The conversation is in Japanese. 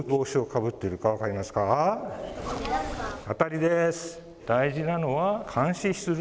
当たりです。